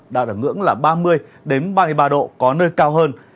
đạt ở ngưỡng là ba mươi ba mươi ba độ có nơi cao hơn